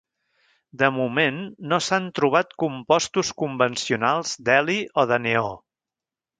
De moment no s'han trobat compostos convencionals d'heli o de neó.